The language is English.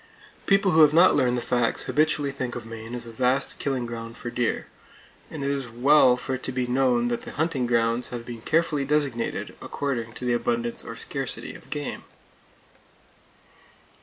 People who have not learned the facts habitually think of Maine as a vast killing ground for deer; and it is well for it to be known that the hunting grounds have been carefully designated, according to the abundance or scarcity of game.